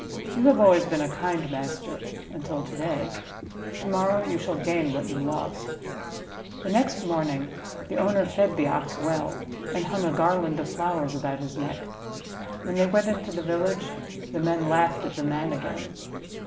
You have always been a kind master until to day. To morrow you shall gain what you lost." The next morning the owner fed the Ox well, and hung a garland of flowers about his neck. When they went into the village the men laughed at the man again.